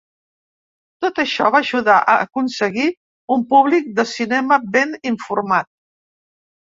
Tot això va ajudar a aconseguir un públic de cinema ben informat.